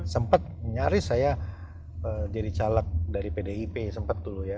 sempat nyaris saya jadi caleg dari pdip sempat dulu ya